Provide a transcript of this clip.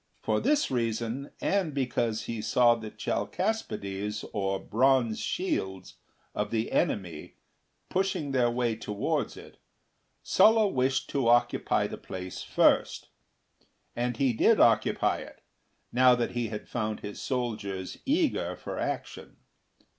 For this reason, and because he saw the Chalcaspides, or Bronze shields, of the enemy pushing their way towards it, Sulla wished to occupy the place first ; and he did occupy it, now that he found his soldiers eager for action.